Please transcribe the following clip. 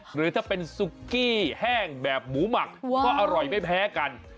หรือถ้าเป็นซุกกี้แห้งแบบหมูหมักก็อร่อยไม่แพ้กัน